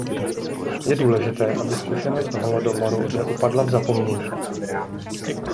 Je důležité, aby zkušenost holodomoru neupadla v zapomnění.